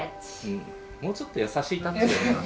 もうちょっと優しいタッチでやったら。